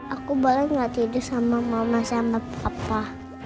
aku banget gak tidur sama mama sama papa